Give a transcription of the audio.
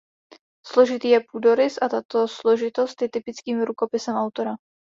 Složitý je půdorys a tato složitost je typickým rukopisem autora.